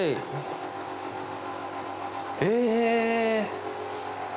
え。